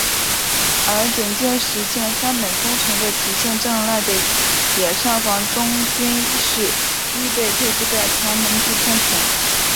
而警戒石见三本松城的吉见正赖的野上房忠军势亦被配置在长门渡川城。